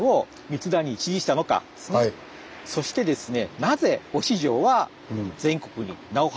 そしてですね